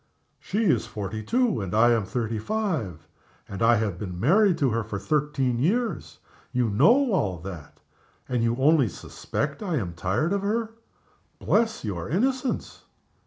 "She is forty two, and I am thirty five; and I have been married to her for thirteen years. You know all that and you only suspect I am tired of her. Bless your innocence!